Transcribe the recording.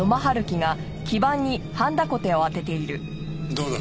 どうだ？